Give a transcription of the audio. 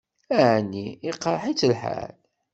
Ɛni iqṛeḥ-itt lḥal?